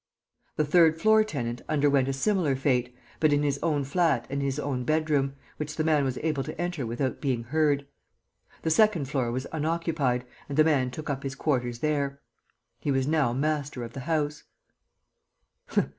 The third floor tenant underwent a similar fate, but in his own flat and his own bedroom, which the man was able to enter without being heard. The second floor was unoccupied, and the man took up his quarters there. He was now master of the house.